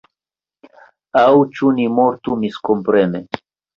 Aŭ ĉu ni mortu miskomprene?